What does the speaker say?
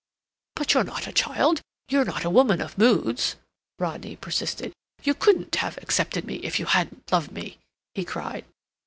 "But you're not a child—you're not a woman of moods," Rodney persisted. "You couldn't have accepted me if you hadn't loved me!" he cried.